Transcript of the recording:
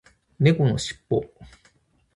猫のしっぽ